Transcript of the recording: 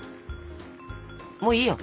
もういいよ。